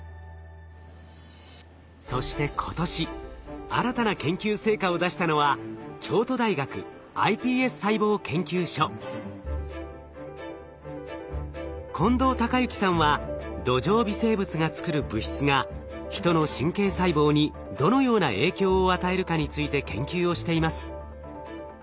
そして今年新たな研究成果を出したのは近藤孝之さんは土壌微生物が作る物質が人の神経細胞にどのような影響を与えるかについて研究をしています。